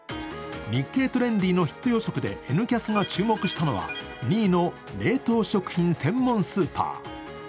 「日経トレンディ」のヒット予測で「Ｎキャス」が注目したのは２位の冷凍食品専門スーパー。